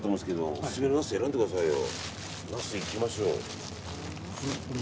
オススメのナス選んでくださいよ。